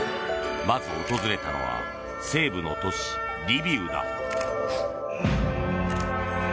まず訪れたのは、西部の都市リビウだ。